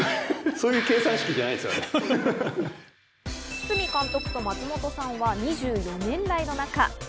堤監督と松本さんは２４年来の仲。